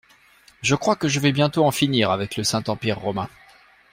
Je crois que je vais bientôt en finir avec le Saint Empire Romain.